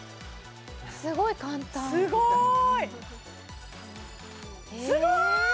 すごい簡単すごいすごい！